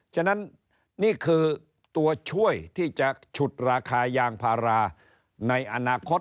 ฉะนั้นนี่คือตัวช่วยที่จะฉุดราคายางพาราในอนาคต